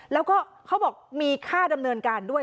แล้วก็เขาบอกมีค่าดำเนินการด้วย